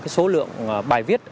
số lượng bài viết